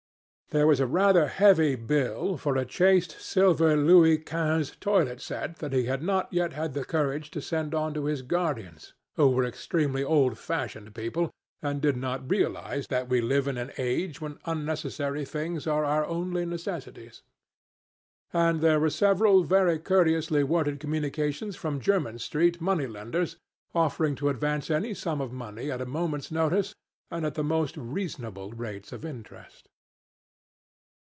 There was a rather heavy bill for a chased silver Louis Quinze toilet set that he had not yet had the courage to send on to his guardians, who were extremely old fashioned people and did not realize that we live in an age when unnecessary things are our only necessities; and there were several very courteously worded communications from Jermyn Street money lenders offering to advance any sum of money at a moment's notice and at the most reasonable rates of interest.